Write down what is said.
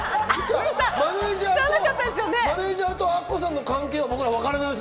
マネジャーとアッコさんの関係は僕らわからないんで。